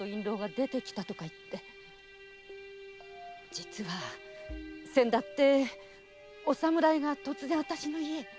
実はせんだってお侍が突然私の家へ。